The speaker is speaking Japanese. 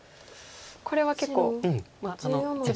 これは結構一番。